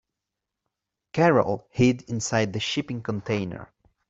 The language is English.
Carol hid inside the shipping container.